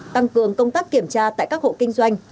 tăng cường công tác kiểm tra tại các hộ kinh doanh